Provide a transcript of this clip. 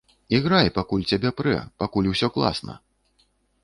Іграй, пакуль цябе прэ, пакуль усё класна!